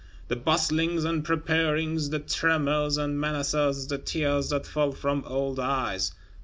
The bustlings and preparings, the tremors and menaces; the tears that fell from old eyes!